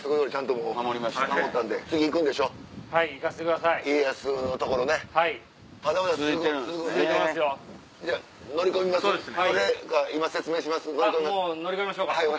もう乗り込みましょうか。